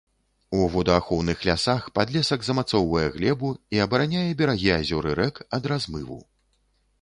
У водаахоўных лясах падлесак змацоўвае глебу і абараняе берагі азёр і рэк ад размыву.